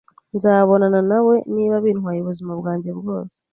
Nzabonana nawe, niba bintwaye ubuzima bwanjye bwose